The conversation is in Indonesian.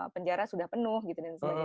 penjara sudah penuh gitu dan sebagainya